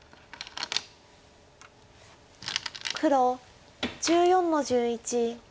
黒１４の十一。